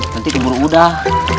nanti tunggu udah